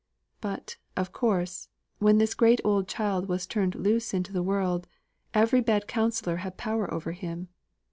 But, of course, when this great old child was turned loose in the world, every bad counsellor had power over him.